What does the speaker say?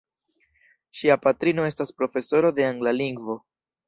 Ŝia patrino estas profesoro de angla lingvo.